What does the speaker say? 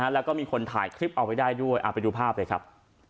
แล้วก็มีคนถ่ายคลิปเอาไว้ได้ด้วยไปดูภาพเลยครับ